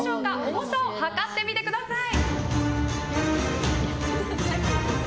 重さを量ってみてください。